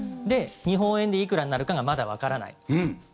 で、日本円でいくらになるかがまだわからない。